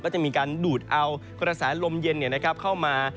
ก็จะมีการดูดเอาคุณภาษาลมเย็นเข้ามา